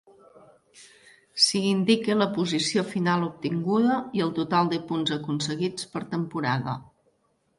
S'hi indica la posició final obtinguda i el total de punts aconseguits per temporada.